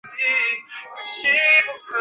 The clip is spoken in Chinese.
这就是容庚。